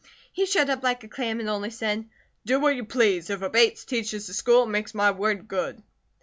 He shut up like a clam and only said: "Do what you please. If a Bates teaches the school it makes my word good."